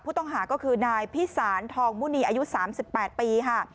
ผู้ต้องหาก็คือนายพิสารทองมุนีอายุ๓๘ปีค่ะ